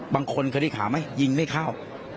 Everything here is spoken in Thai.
บางคนเคยได้ขาไหมยิงไม่เข้า